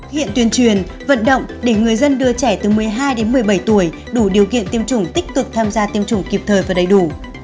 hiện tuyên truyền vận động để người dân đưa trẻ từ một mươi hai đến một mươi bảy tuổi đủ điều kiện tiêm chủng tích cực tham gia tiêm chủng kịp thời và đầy đủ